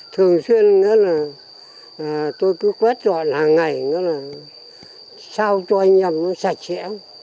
thường xuyên tôi cứ quét dọn hàng ngày sao cho anh em nó sạch sẽ